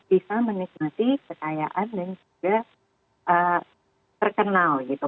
bisa menikmati kekayaan dan juga terkenal gitu